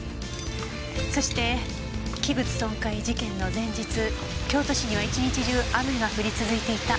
そして器物損壊事件の前日京都市には一日中雨が降り続いていた。